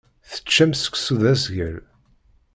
Teččam seksu d asgal.